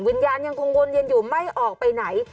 วิญญาณยังกงวลยังอยู่ไม่ออกไปไหน